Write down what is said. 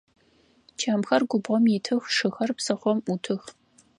Чэмхэр губгъом итых, шыхэр псыхъом ӏутых.